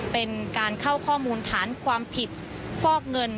เป็นการเข้าข้อมูลฐานความผิดฟอกเงิน